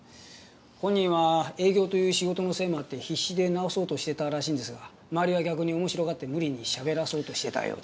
本人は営業という仕事のせいもあって必死で直そうとしてたらしいんですが周りは逆に面白がって無理にしゃべらそうとしてたようで。